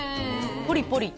ポリポリ。